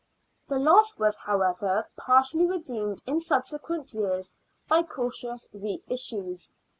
The loss was, however, partially redeemed in subsequent years by cautious reissues.